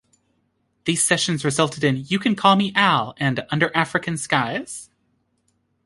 These sessions resulted in "You Can Call Me Al" and "Under African Skies".